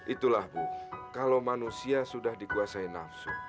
itulah bu kalau manusia sudah dikuasai nafsu